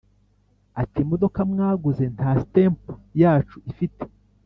ati"imidoka mwaguze nta stamp yacu ifite